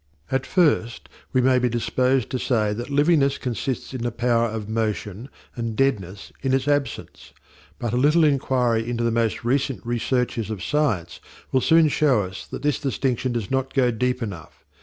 At first we may be disposed to say that livingness consists in the power of motion and deadness in its absence; but a little enquiry into the most recent researches of science will soon show us that this distinction does not go deep enough.